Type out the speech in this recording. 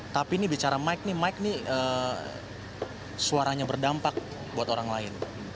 tapi ini bicara mike nih mike nih suaranya berdampak buat orang lain